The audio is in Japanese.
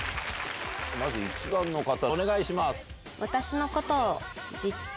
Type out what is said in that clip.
まず１番の方お願いします。